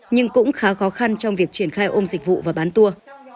nhưng cũng khá khó khăn trong việc triển khai ôm dịch vụ và bán tour